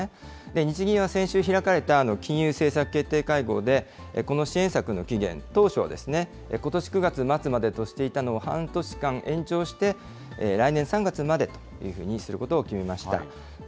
日銀は先週開かれた金融政策決定会合で、この支援策の期限、当初はことし９月末までとしていたのを、半年間延長して、来年３月までというふうにすることを決めました。